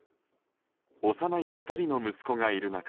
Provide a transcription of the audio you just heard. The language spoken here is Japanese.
幼い２人の息子がいる中